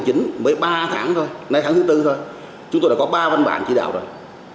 riêng hai nghìn một mươi chín mới ba tháng thôi nay tháng thứ bốn thôi chúng tôi đã có ba văn bản chỉ đạo rồi